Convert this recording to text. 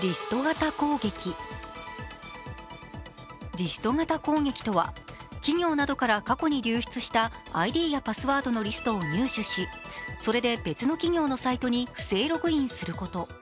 リスト型攻撃とは、企業などから過去に流出したＩＤやパスワードのリストを入手しそれで別の企業のサイトに不正ログインすること。